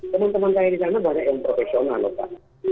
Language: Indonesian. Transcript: teman teman saya di sana banyak yang profesional lho pak